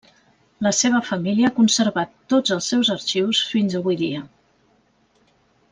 La seva família ha conservat tots els seus arxius fins avui dia.